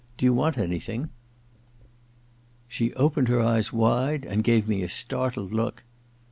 *Do you want anything ?' She opened her eyes wide and gave me a startled look.